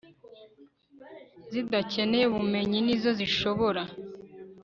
zidakeneye ubumenyi ni zo zishobora